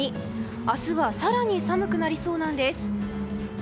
明日は更に寒くなりそうなんです。